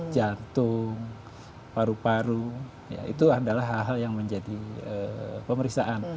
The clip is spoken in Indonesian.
jantung paru paru itu adalah hal hal yang menjadi pemeriksaan